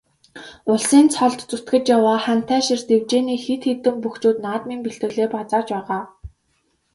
Улсын цолд зүтгэж яваа Хантайшир дэвжээний хэд хэдэн бөхчүүд наадмын бэлтгэлээ базааж байгаа.